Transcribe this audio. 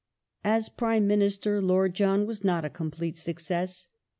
As Prime Minister Lord John was not a complete success.